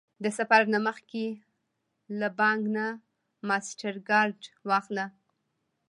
د سفر نه مخکې له بانک نه ماسټرکارډ واخله